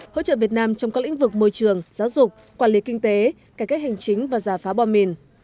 hỗ trợ việt nam trong các lĩnh vực môi trường giáo dục quản lý kinh tế cải cách hành chính và giả phá bom mìn